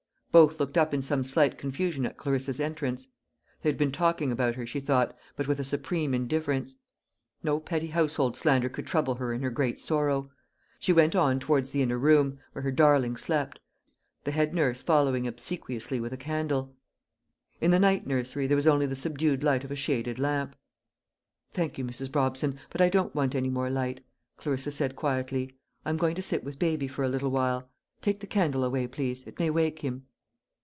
Both looked up in some slight confusion at Clarissa's entrance. They had been talking about her, she thought, but with a supreme indifference. No petty household slander could trouble her in her great sorrow. She went on towards the inner room, where her darling slept, the head nurse following obsequiously with a candle. In the night nursery there was only the subdued light of a shaded lamp. "Thank you, Mrs. Brobson, but I don't want any more light," Clarissa said quietly. "I am going to sit with baby for a little while. Take the candle away, please; it may wake him."